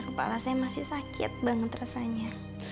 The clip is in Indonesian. kepala saya masih sakit banget rasanya pak firman